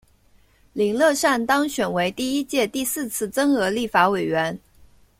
林乐善当选为第一届第四次增额立法委员。